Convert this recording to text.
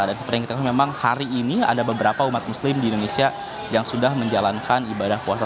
dan seperti yang kita lihat memang hari ini ada beberapa umat muslim di indonesia yang sudah menjalankan ibadah puasa